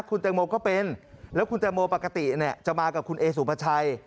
คุณแตงโมก็เป็นแล้วคุณแตงโมปกติเนี่ยจะมากับคุณเอสุภาชัย